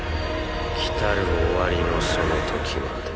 来る終わりのその時まで。